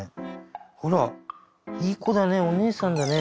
ほらいい子だねお姉さんだね。